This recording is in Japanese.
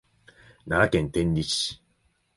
奈良県天理市